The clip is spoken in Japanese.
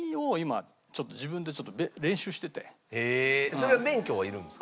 それは免許はいるんですか？